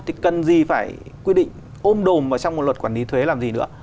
thì cần gì phải quy định ôm đồm trong một luật quản lý thuế làm gì nữa